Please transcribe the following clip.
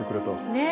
ねえ。